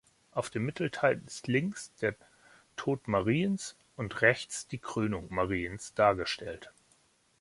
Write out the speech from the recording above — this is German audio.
Auf dem Mittelteil ist links der "Tod Mariens" und rechts die "Krönung Mariens" dargestellt.